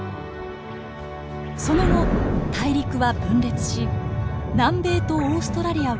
その後大陸は分裂し南米とオーストラリアは北上。